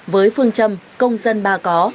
với phương châm công dân ba có